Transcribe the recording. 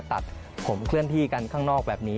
ตัดผมเคลื่อนที่กันข้างนอกแบบนี้